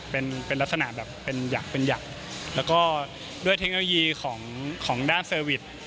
เป็นลักษณะแบบเป็นหยักแล้วก็ด้วยเทคโนโลยีของด้านเซอร์วิส